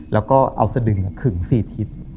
แล้วก็เอาสะดึงขึ่งสี่ทิศ